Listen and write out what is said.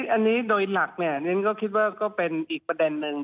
อันนี้โดยหลักก็คิดว่าเป็นอีกประเด็นหนึ่ง